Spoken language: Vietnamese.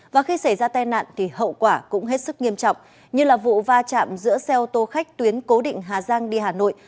và khi xảy ra tai nạn thì hậu quả cũng hết sức nghiêm trọng như là vụ va chạm giữa xe ô tô khách tuyến cố định hà giang đi hà nội